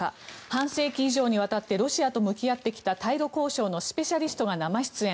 半世紀以上にわたってロシアと向き合ってきた対ロ交渉のスペシャリストが生出演。